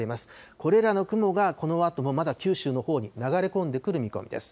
これらの雲がこのあともまだ九州のほうに流れ込んでくる見込みです。